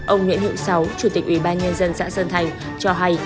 ông nguyễn hữu sáu chủ tịch ủy ban nhân dân xã sơn thành cho hay